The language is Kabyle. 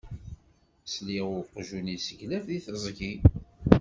Sliɣ i uqjun yesseglaf deg teẓgi.